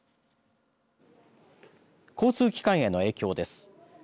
交通機関への影響です。